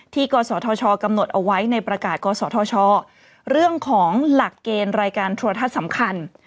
กศธชกำหนดเอาไว้ในประกาศกศธชเรื่องของหลักเกณฑ์รายการโทรทัศน์สำคัญ